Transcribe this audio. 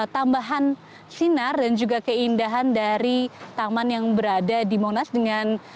tambahan sinar dan juga keindahan dari taman yang berada di monas dengan